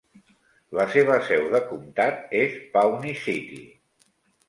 La seva seu de comtat és Pawnee City.